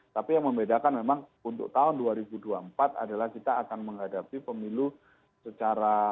tapi yang membedakan memang untuk tahun dua ribu dua puluh empat adalah kita akan menghadapi pemilu secara